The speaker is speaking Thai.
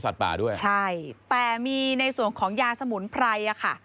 แต่มีในส่วนของยาสมุนไพร